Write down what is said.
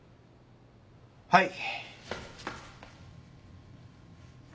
はい。